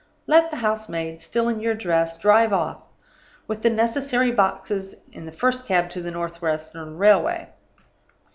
Let the house maid (still in your dress) drive off, with the necessary boxes, in the first cab to the North western Railway.